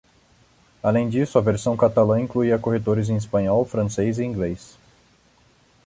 Além disso, a versão catalã incluía corretores em espanhol, francês e inglês.